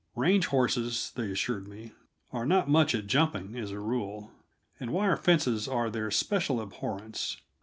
Range horses, they assured me, are not much at jumping, as a rule; and wire fences are their special abhorrence.